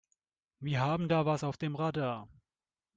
Wir haben da was auf dem Radar.